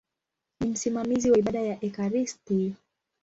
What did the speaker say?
Ni msimamizi wa ibada za ekaristi.